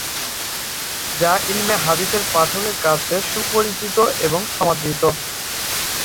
যা ইলমে হাদিসের পাঠকের কাছে সুপরিচিত এবং সমাদৃত।